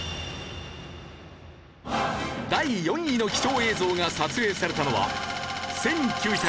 第４位の貴重映像が撮影されたのは。